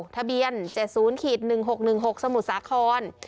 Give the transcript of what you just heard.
ทะเบียนเจ็ดศูนย์ขีดหนึ่งหกหนึ่งหกสมุทรสาขน